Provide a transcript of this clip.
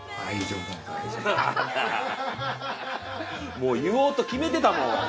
もう言おうと決めてたもん。